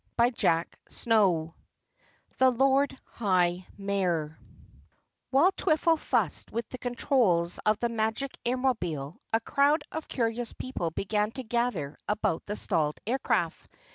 CHAPTER 8 The Lord High Mayor While Twiffle fussed with the controls of the Magic Airmobile, a crowd of curious people began to gather about the stalled aircraft.